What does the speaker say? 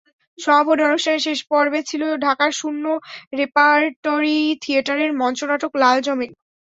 সমাপনী অনুষ্ঠানের শেষ পর্বে ছিল ঢাকার শূন্য রেপার্টরি থিয়েটারের মঞ্চনাটক লাল জমিন।